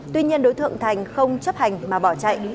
tuy nhiên đối tượng thành không chấp hành mà bỏ chạy